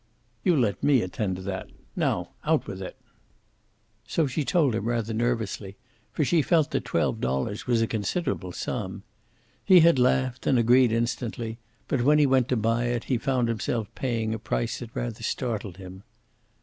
"You let me attend to that. Now, out with it!" So she told him rather nervously, for she felt that twelve dollars was a considerable sum. He had laughed, and agreed instantly, but when he went to buy it he found himself paying a price that rather startled him.